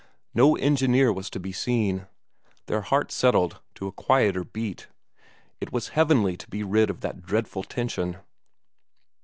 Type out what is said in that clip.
No engineer was to be seen. Their hearts settled to a quieter beat; it was heavenly to be rid of that dreadful tension.